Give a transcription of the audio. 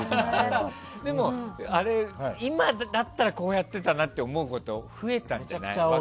でも、今だったらこうやってたなって思うこと増えたんじゃないの？